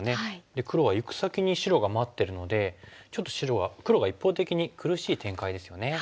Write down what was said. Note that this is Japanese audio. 黒はゆく先に白が待ってるのでちょっと黒が一方的に苦しい展開ですよね。